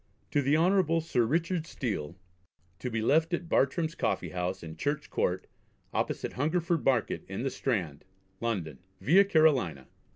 "To the Hon. Sir Richard Steele; to be left at Bartram's Coffee House in Church Court, opposite Hungerford Market in the Strand, London. Via Carolina.